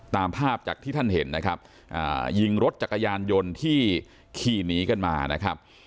ตามภาพจากที่ท่านเห็นนะครับยิงรถจักรยานยนต์ที่ขี่หนีกันมานะครับ